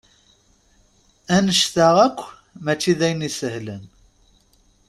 Annect-a akk mačči d ayen isehlen.